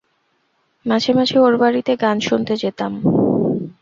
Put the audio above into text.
মাঝে-মাঝে ওর বাড়িতে গান শুনতে যেতাম।